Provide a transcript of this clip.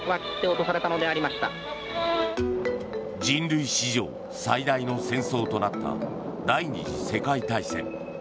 人類史上、最大の戦争となった第２次世界大戦。